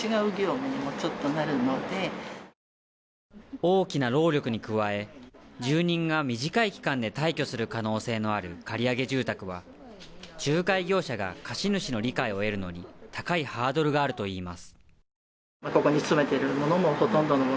大きな労力に加え住人が短い期間で退去する可能性のある借り上げ住宅は仲介業者が貸主の理解を得るのに高いハードルがあるといいます